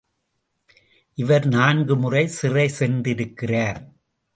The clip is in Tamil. இவர் நான்குமுறை சிறை சென்றிருக்கிறார்.